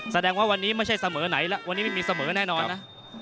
แสดงว่าวันนี้ไม่ใช่เสมอไหนแล้ววันนี้ไม่มีเสมอแน่นอนนะ